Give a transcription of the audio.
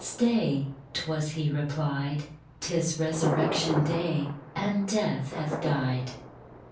Stay, 'Twas He replied !" 'Tis Resurrection Day, And death hath died!"